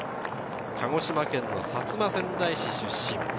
鹿児島県薩摩川内市出身。